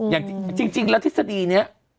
อย่างจริงแล้วทฤษฎีนี้